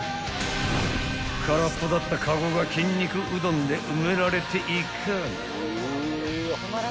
［空っぽだったカゴがきんにくうどんで埋められていかぁな］